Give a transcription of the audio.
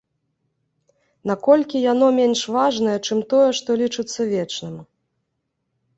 Наколькі яно менш важнае чым тое, што лічыцца вечным.